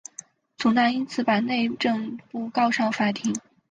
祖纳因此把内政部告上法庭。